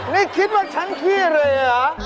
นี่คิดว่าฉันขี้เลยเหรอ